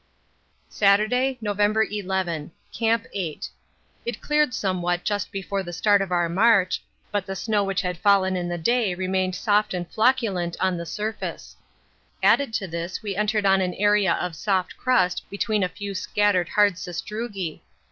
Saturday, November 11. Camp 8. It cleared somewhat just before the start of our march, but the snow which had fallen in the day remained soft and flocculent on the surface. Added to this we entered on an area of soft crust between a few scattered hard sastrugi.